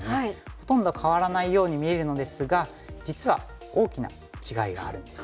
ほとんど変わらないように見えるのですが実は大きな違いがあるんですね。